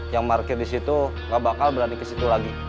yang market disitu gak bakal berani kesitu lagi